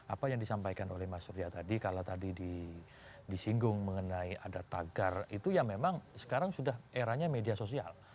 apa yang disampaikan oleh mas surya tadi kalau tadi disinggung mengenai ada tagar itu ya memang sekarang sudah eranya media sosial